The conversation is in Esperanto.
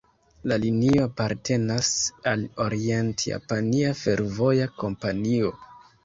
La linio apartenas al Orient-Japania Fervoja Kompanio.